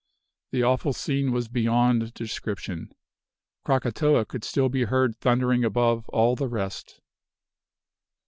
The awful scene was beyond description. Krakatoa could still be heard thundering above all the rest.